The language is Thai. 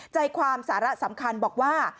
ใจความสาระสำคัญบอกว่า